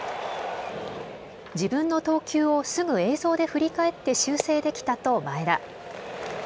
自分の投球をすぐ映像で振り返って修正できたと前田。